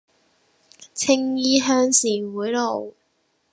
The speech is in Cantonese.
青衣鄉事會路